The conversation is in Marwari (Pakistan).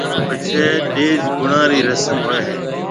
پڇيَ ڏيَج گڻاڻ رِي رسم ھوئيَ ھيََََ